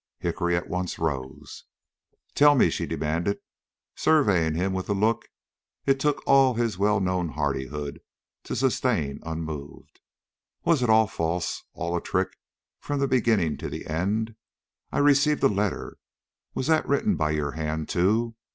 Hickory at once rose. "Tell me," she demanded, surveying him with a look it took all his well known hardihood to sustain unmoved, "was it all false all a trick from the beginning to the end? I received a letter was that written by your hand too?